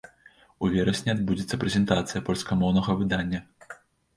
У верасні адбудзецца прэзентацыя польскамоўнага выдання.